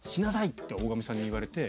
って大神さんに言われて。